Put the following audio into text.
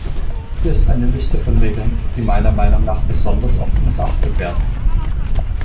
Hier ist eine Liste von Regeln, die meiner Meinung nach besonders oft missachtet werden.